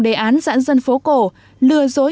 đề án dãn dân phố cổ lừa dối